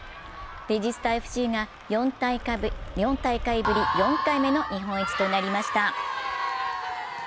レジスタＦＣが４大会ぶり４回目の日本一となりました